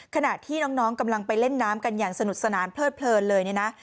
ขณะที่น้องกำลังไปเล่นน้ำกันอย่างสนุกสนานเพลิดเพลินเลยเนี่ยนะ